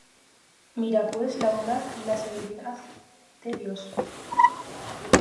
Mira, pues, la bondad y la severidad de Dios: